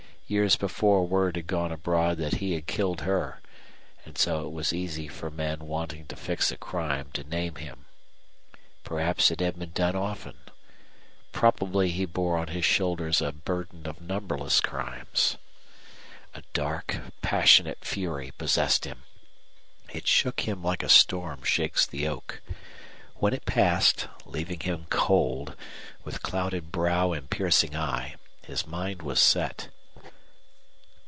Years before word had gone abroad that he had killed her, and so it was easy for men wanting to fix a crime to name him. Perhaps it had been done often. Probably he bore on his shoulders a burden of numberless crimes. A dark, passionate fury possessed him. It shook him like a storm shakes the oak. When it passed, leaving him cold, with clouded brow and piercing eye, his mind was set.